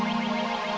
jatuh domra kok